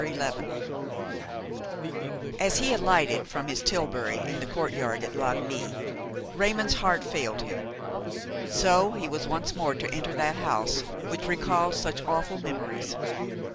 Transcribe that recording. XI As he alighted from his tilbury in the courtyard at Lagny, Raymon's heart failed him. So he was once more to enter that house which recalled such awful memories!